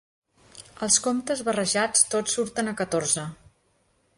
Els comptes barrejats tots surten a catorze.